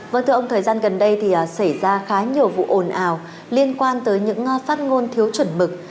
vâng thưa ông thời gian gần đây thì xảy ra khá nhiều vụ ồn ào liên quan tới những phát ngôn thiếu chuẩn mực